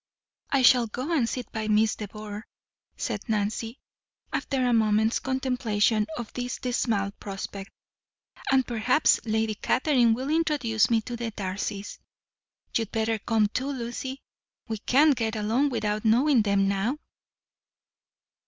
"I shall go and sit by Miss de Bourgh," said Nancy, after a moment's contemplation of this dismal prospect, "and perhaps Lady Catherine will introduce me to the Darcys. You'd better come too, Lucy. We can't get along without knowing them now."